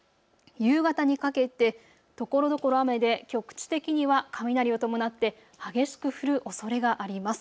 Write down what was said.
夕方にかけてところどころ雨で局地的には雷を伴って激しく降るおそれがあります。